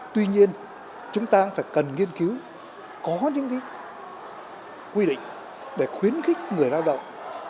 tuy nhiên chúng ta cũng phải cần nghiên cứu có những quy định để khuyến khích người lao động